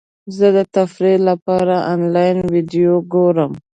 زه د تفریح لپاره انلاین ویډیو ګورم.